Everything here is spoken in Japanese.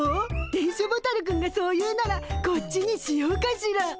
電書ボタルくんがそう言うならこっちにしようかしら。